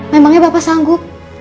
memangnya bapak sanggup